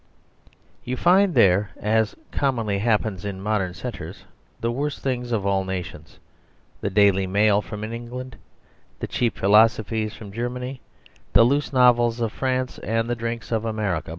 You can find there (as commonly happens in modern centres) the worst things of all nations the Daily Mail from England, the cheap philosophies from Germany, the loose novels of France, and the drinks of America.